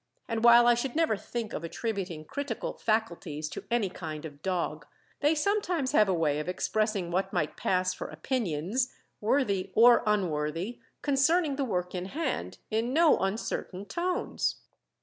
And while I should never think of attributing critical faculties to any kind of dog, they sometimes have a way of expressing what might pass for opinions, worthy or unworthy, concerning the work in hand, in no uncertain tones.